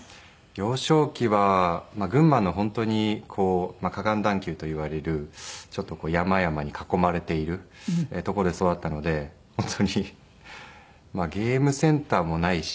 幼少期は群馬の本当に河岸段丘といわれるちょっと山々に囲まれている所で育ったので本当にゲームセンターもないし。